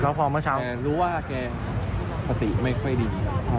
แล้วพอเมื่อเช้ารู้ว่าเกรย์ปกติไม่ค่อยดี